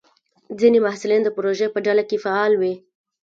ځینې محصلین د پروژې په ډله کې فعال وي.